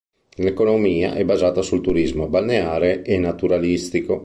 L'economia è basata sul turismo balneare e naturalistico.